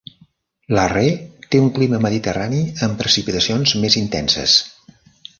Larraix té un clima mediterrani amb precipitacions més intenses.